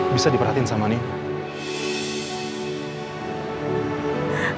bisa diperhatiin sama nino